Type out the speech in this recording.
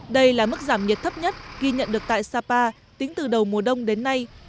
đây là mức giảm nhiệt thấp nhất ghi nhận được tại sapa tính từ đầu mùa đông đến nay